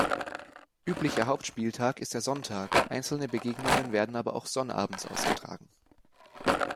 Üblicher Haupt-Spieltag ist der Sonntag, einzelne Begegnungen werden aber auch sonnabends ausgetragen.